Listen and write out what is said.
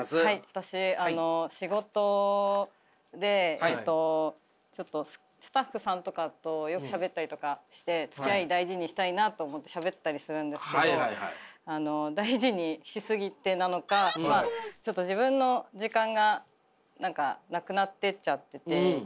私仕事でちょっとスタッフさんとかとよくしゃべったりとかしてつきあい大事にしたいなと思ってしゃべったりするんですけど大事にし過ぎてなのかちょっと自分の時間が何かなくなってっちゃってて。